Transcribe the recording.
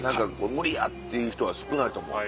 無理やっていう人は少ないと思う。